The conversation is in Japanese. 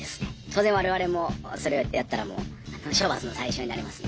当然我々もそれをやったら処罰の対象になりますので。